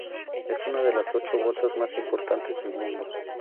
Es una de las ocho bolsas más importantes del mundo.